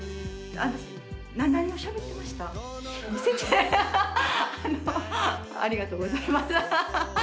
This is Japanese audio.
アハハハありがとうございます。